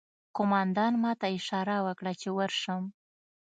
قومندان ماته اشاره وکړه چې ورشم